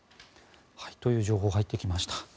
という情報が入ってきました。